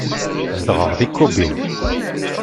Zedɣeɣ di Kobe.